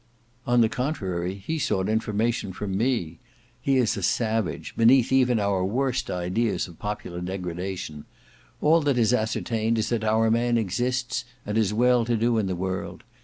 "On the contrary, he sought information from me; he is a savage, beneath even our worst ideas of popular degradation. All that is ascertained is that our man exists and is well to do in the world.